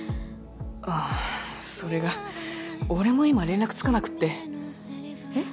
あっそれが俺も今連絡つかなくってえっ？